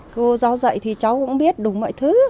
cô giáo dạy thì cháu cũng biết đúng mọi thứ